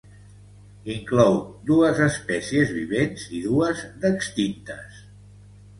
Inclou dues espècies vivents i dues d'extintes.